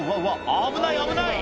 危ない危ない！